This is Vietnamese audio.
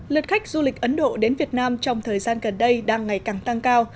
lượt khách du lịch ấn độ đến việt nam trong thời gian gần đây đang ngày càng tăng cao